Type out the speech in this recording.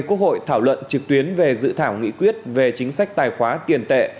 quốc hội thảo luận trực tuyến về dự thảo nghị quyết về chính sách tài khoá tiền tệ